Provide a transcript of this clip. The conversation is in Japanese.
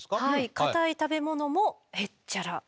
硬い食べ物もへっちゃら。